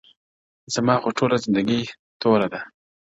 زما خو ټوله زنده گي توره ده؛